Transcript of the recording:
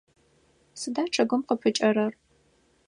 Сыда чъыгым къыпыкӏэрэр?